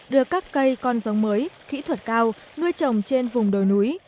đưa các cây con giống mới kỹ thuật cao nuôi trồng trên vùng đồi núi